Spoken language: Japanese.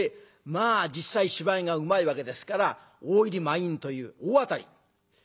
実際芝居がうまいわけですから大入り満員という大当たり。